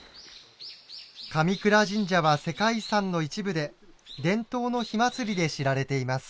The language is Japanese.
神倉神社は世界遺産の一部で伝統の火祭りで知られています。